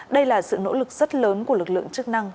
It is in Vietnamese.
đây là sự nỗ lực rất lớn của lực lượng chức năng